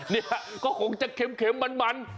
เนี่ยก็คงจะเข็มมัน